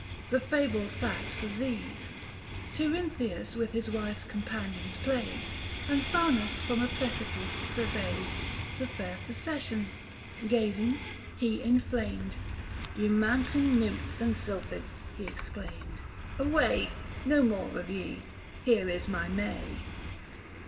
The fabled facts are these :— 315 Tirynthius with his wife's companions played, And Faunus from a precipice surveyed The fair procession : gazing, he inflamed ;" Ye mountain Nymphs and Sylphids," he exclaimed, " Away — no more of ye ; here is my May."